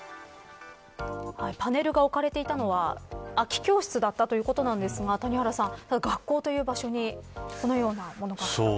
パネルが置かれていたのは空き教室だったということなんですが谷原さん、学校という場所にこのようなものがあった。